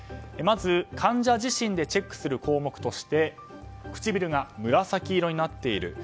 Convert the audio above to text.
まず、患者自身でチェックする項目として唇が紫色になっている。